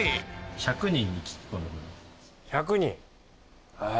１００人。